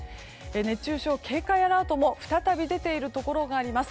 熱中症警戒アラートも再び出ているところがあります。